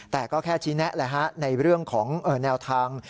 แต่ก็แค่ชี้แนะในเรื่องของแนวทาง